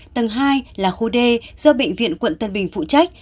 tầng hai là khu d do bệnh viện quận tân bình phụ trách